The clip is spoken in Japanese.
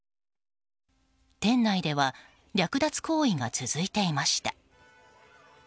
店内では略奪行為が続いていました。